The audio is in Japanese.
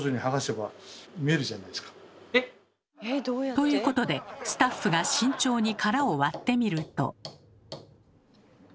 ということでスタッフが慎重に殻を割ってみると。